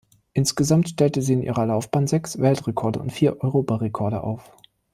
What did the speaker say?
Insgesamt stellte sie in ihrer Laufbahn sechs Weltrekorde und vier Europarekorde auf.